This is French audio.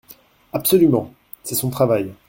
Absolument : c’est son travail.